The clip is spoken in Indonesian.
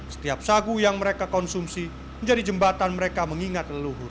setiap sagu yang mereka konsumsi menjadi jembatan mereka mengingat leluhur